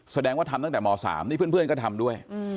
แสดงว่าทำตั้งแต่ม๓นี่เพื่อนก็ทำด้วย